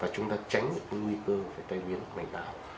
chúng ta tránh cái nguy cơ phải tai biến mạch máu